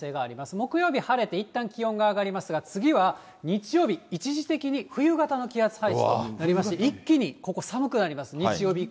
木曜日、晴れていったん気温が上がりますが、次は日曜日、一時的に冬型の気圧配置となりまして、一気にここ寒くなります。